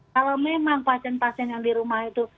kalau memang pasien pasien yang di rumah itu